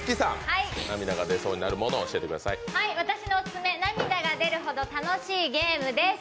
私のオススメ、涙が出るほど楽しいゲームです。